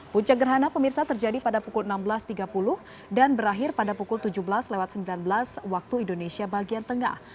puncak gerhana pemirsa terjadi pada pukul enam belas tiga puluh dan berakhir pada pukul tujuh belas sembilan belas waktu indonesia bagian tengah